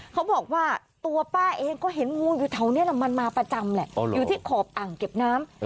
เขาบอกว่าตัวป้าเองก็เห็นงูอยู่แถวนี้แหละมันมาประจำแหละอยู่ที่ขอบอ่างเก็บน้ำ